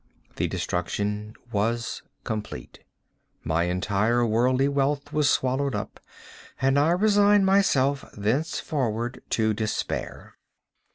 The destruction was complete. My entire worldly wealth was swallowed up, and I resigned myself thenceforward to despair.